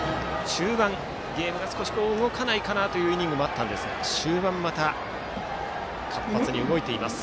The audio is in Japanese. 中盤、ゲームが少し動かないかなというイニングもありましたが終盤、また活発に動いています。